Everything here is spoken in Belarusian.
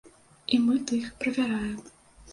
І мы тых правяраем.